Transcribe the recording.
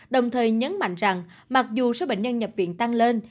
đồng thời nhấn mạnh rằng mặc dù số bệnh nhân nhập viện tăng lên